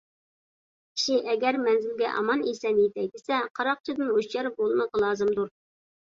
كىشى ئەگەر مەنزىلگە ئامان - ئېسەن يېتەي دېسە قاراقچىدىن ھوشيار بولمىقى لازىمدۇر.